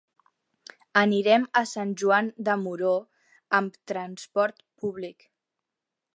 Anirem a Sant Joan de Moró amb transport públic.